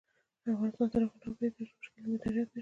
افغانستان تر هغو نه ابادیږي، ترڅو وچکالي مدیریت نشي.